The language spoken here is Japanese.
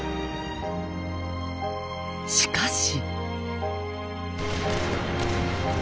しかし。